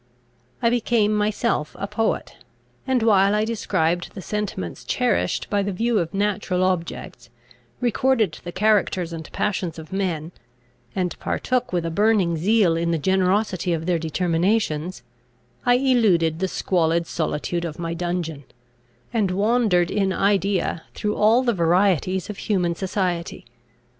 I became myself a poet; and, while I described the sentiments cherished by the view of natural objects, recorded the characters and passions of men, and partook with a burning zeal in the generosity of their determinations, I eluded the squalid solitude of my dungeon, and wandered in idea through all the varieties of human society.